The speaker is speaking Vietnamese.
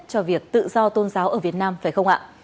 cho việc tự do tôn giáo ở việt nam phải không ạ